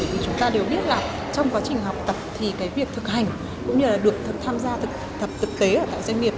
vì chúng ta đều biết là trong quá trình học tập thì việc thực hành cũng như được tham gia thực tế ở các doanh nghiệp